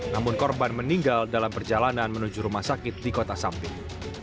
namun korban meninggal dalam perjalanan menuju rumah sakit di kota samping